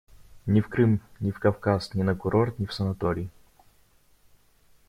Ни в Крым, ни на Кавказ, ни на курорт, ни в санаторий.